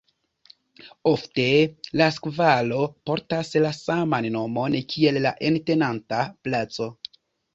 Ofte la skvaro portas la saman nomon kiel la entenanta placo.